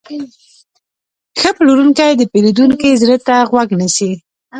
ښه پلورونکی د پیرودونکي زړه ته غوږ نیسي.